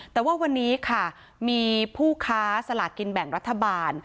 แต่ว่าวันนี้ค่ะมีผู้ค้าสลากกินแบ่งรัฐบาล